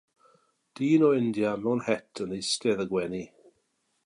Dyn o India mewn het yn eistedd a gwenu.